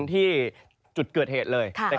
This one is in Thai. ทั้งเรื่องของฝน